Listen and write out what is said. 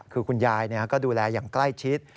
คือคุณยายก็ดูแลอย่างใกล้ชิด